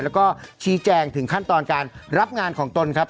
แล้วก็ชี้แจงถึงขั้นตอนการรับงานของตนครับ